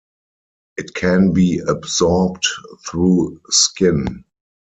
It can be absorbed through skin.